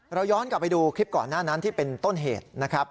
เราย้อนกลับไปดูคลิปก่อนหน้านั้นที่เป็นต้นเหตุนะครับ